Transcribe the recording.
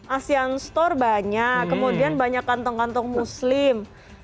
asean store banyak kemudian banyak kantong kantong muslim